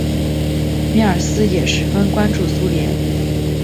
米尔斯也十分关注苏联。